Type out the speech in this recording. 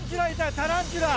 タランチュラ！